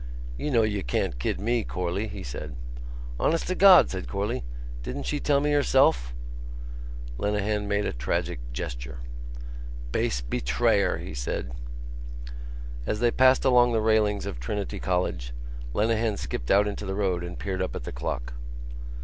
"You know you can't kid me, Corley," he said. "Honest to God!" said Corley. "Didn't she tell me herself?" Lenehan made a tragic gesture. "Base betrayer!" he said. As they passed along the railings of Trinity College, Lenehan skipped out into the road and peered up at the clock.